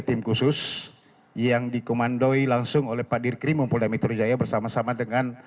tim khusus yang dikomandoi langsung oleh pak dirkrim polda metro jaya bersama sama dengan